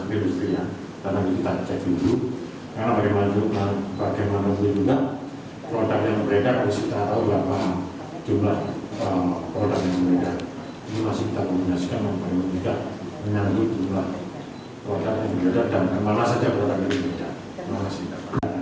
ini masih kita koordinasikan dengan bumd dengan bumd dan kemana saja produknya beredar